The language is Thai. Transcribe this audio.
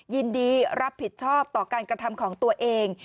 ยินดีรับผิดชอบต่อการกระทำของตัวเอง